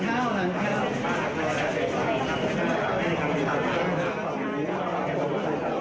ยังไม่มีฝ่ายกล้อง